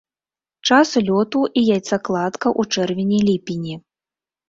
Час лёту і яйцакладка ў чэрвені-ліпені.